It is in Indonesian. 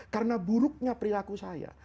karena buruknya perilaku saya